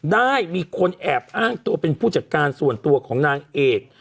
ได้มีคนแอบอ้างตัวเป็นผู้จัดการส่วนตัวของนางเอก